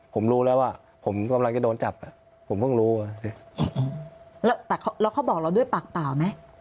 ผมรู้แล้วว่าผมกำลังจะโดนจับอ่ะผมเพิ่งรู้แล้วแต่แล้วเขาบอกเราด้วยปากเปล่าไหม